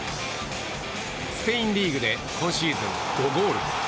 スペインリーグで、今シーズン５ゴール。